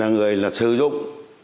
người là sử dụng